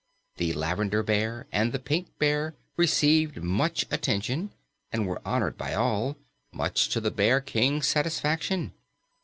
The Lavender Bear and the little Pink Bear received much attention and were honored by all, much to the Bear King's satisfaction.